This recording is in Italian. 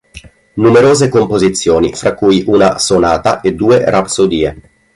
Numerose composizioni, fra cui una "Sonata" e due "Rapsodie".